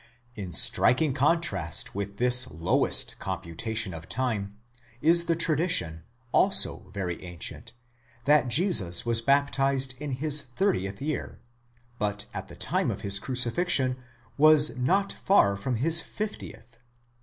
In striking contrast with this lowest computation of time, is the tradition, also very ancient, that Jesus was baptized in his thirtieth year, but at the time of his crucifixion was not far from his fiftieth.